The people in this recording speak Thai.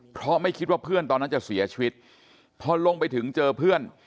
เพราะไม่คิดว่าเพื่อนตอนนั้นจะเสียชีวิตพอลงไปถึงเจอเพื่อน